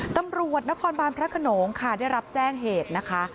ตำรวจนครบานพระขนงค่ะได้รับแจ้งเหตุนะคะ